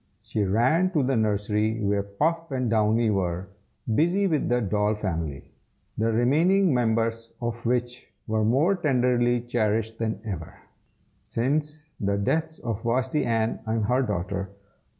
She ran up to the nursery, where Puff and Downy were, busy with the doll family, the remaining members of which were more tenderly cherished than ever, since the deaths of Vashti Ann and her daughter.